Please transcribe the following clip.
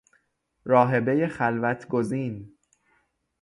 راهبهی خلوت گزین